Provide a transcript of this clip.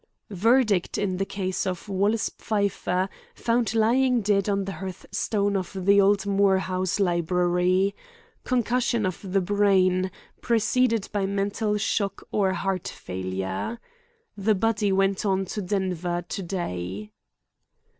"Verdict in the case of Wallace Pfeiffer, found lying dead on the hearthstone of the old Moore house library. "Concussion of the brain, preceded by mental shock or heart failure. "The body went on to Denver today."